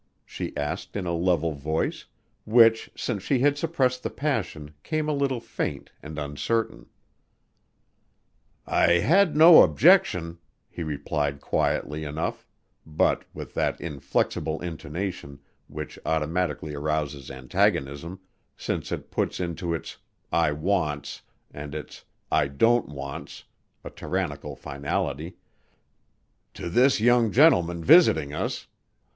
she asked in a level voice, which since she had suppressed the passion came a little faint and uncertain. "I had no objection," he replied quietly enough but with that inflexible intonation which automatically arouses antagonism, since it puts into its "I want's" and its "I don't want's" a tyrannical finality, "to this young gentleman visiting us.